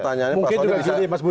mungkin juga gini mas budi